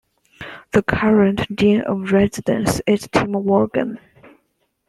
The current Dean of Residence is Tim Worgan.